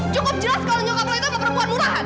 cukup jelas kalau nyokap lo itu emang perempuan murahan